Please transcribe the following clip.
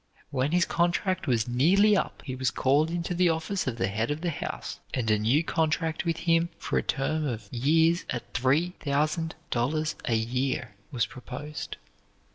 When his contract was nearly up, he was called into the office of the head of the house, and a new contract with him for a term of years at three thousand dollars a year was proposed.